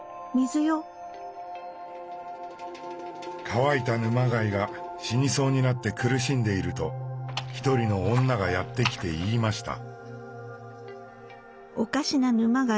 乾いた沼貝が死にそうになって苦しんでいると一人の女がやって来て言いました。